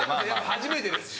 初めてですから。